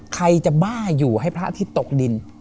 ใครจะบ้าอยู่ให้พระอาทิตย์ตกดิน